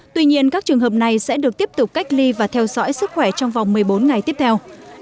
tuy nhiên các trường hợp này sẽ được tiếp tục cách ly và theo dõi sức khỏe trong vòng một mươi bốn ngày tiếp theo